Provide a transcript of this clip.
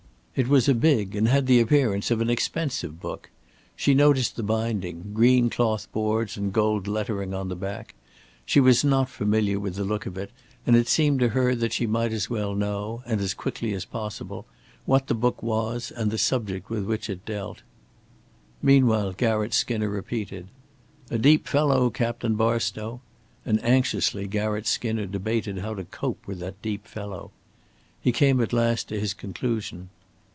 It was a big, and had the appearance of an expensive, book. She noticed the binding green cloth boards and gold lettering on the back. She was not familiar with the look of it, and it seemed to her that she might as well know and as quickly as possible what the book was and the subject with which it dealt. Meanwhile Garratt Skinner repeated: "A deep fellow Captain Barstow," and anxiously Garratt Skinner debated how to cope with that deep fellow. He came at last to his conclusion.